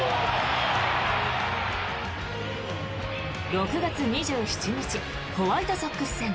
６月２７日ホワイトソックス戦。